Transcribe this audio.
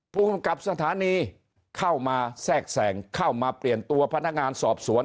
ภูมิกับสถานีเข้ามาแทรกแสงเข้ามาเปลี่ยนตัวพนักงานสอบสวน